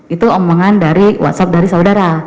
itu omongan dari whatsapp dari saudara